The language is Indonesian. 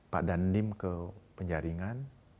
pak dandim ke penyaringan